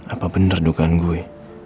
apa bener dukaan gue